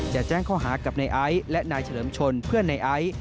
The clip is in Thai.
จะแจ้งเข้าหากับในไอ้และนายเฉลิมชนเพื่อนในไอ้